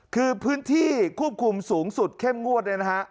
คือพื้นที่ควบคุมสูงสุดเข้มงวด